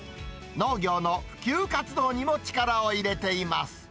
農業の普及活動にも力を入れています。